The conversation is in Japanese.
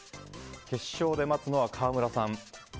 決勝で待つのは川村さん。